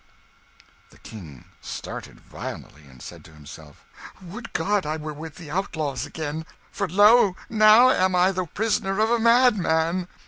The King started violently, and said to himself, "Would God I were with the outlaws again; for lo, now am I the prisoner of a madman!"